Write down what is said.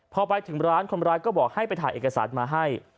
พอไปถึงร้านคนร้ายก็บอกให้ไปถ่ายเอกสารมาให้